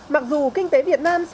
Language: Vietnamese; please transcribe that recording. mặc dù kinh tế việt nam